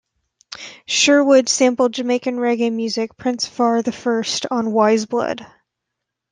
Sherwood sampled Jamaican reggae musician Prince Far I on "Wise Blood".